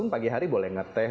pagi hari boleh ngeteh